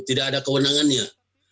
tidak ada kewenangannya